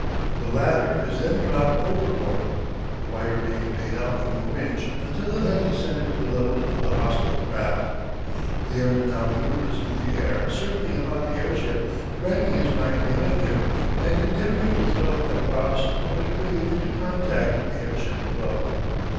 The latter is then dropped overboard, the wire being paid out from a winch until it has descended to the level of the hostile craft. The airman now manoeuvres in the air circling about the airship, dragging his mine behind him, and endeavouring to throw it across or to bring it into contact with the airship below.